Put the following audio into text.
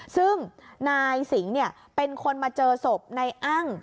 ซึ่งนายสิงห์เป็นคนมาเจอศพนายอ้าง